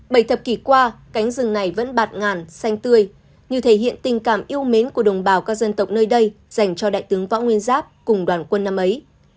bảy thập kỷ qua cánh rừng này vẫn bạt ngàn xanh tươi như thể hiện tình cảm yêu mến của đồng bào các dân tộc nơi đây dành cho đại tướng võ nguyên giáp cùng đoàn quân năm ấy